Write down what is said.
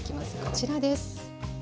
こちらです。